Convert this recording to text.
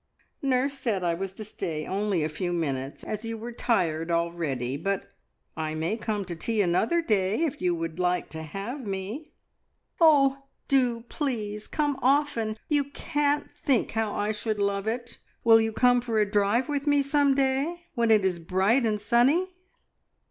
"Nurse said I was to stay only a few minutes, as you were tired already, but I may come to tea another day if you would like to have me." "Oh, do, please! Come often! You can't think how I should love it. Will you come for a drive with me some day, when it is bright and sunny?"